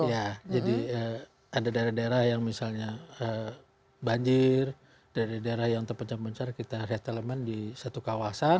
iya jadi ada daerah daerah yang misalnya banjir daerah daerah yang terpencah pencah kita re tellement di satu kawasan